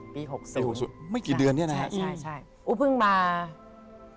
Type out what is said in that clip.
ปี๖๐ไม่กี่เดือนเนี่ยนะครับ